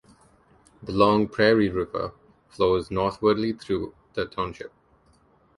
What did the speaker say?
The Long Prairie River flows northwardly through the township.